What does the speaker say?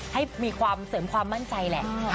ให้มีความเสริมความมั่นใจแหละ